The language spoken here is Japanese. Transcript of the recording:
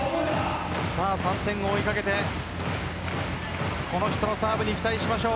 ３点を追いかけてこの人のサーブに期待しましょう。